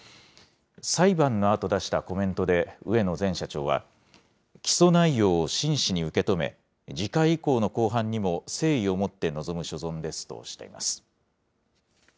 裁判のあと出したコメントで、植野前社長は、起訴内容を真摯に受け止め、次回以降の公判にも誠意をもって臨む所存ですとしています。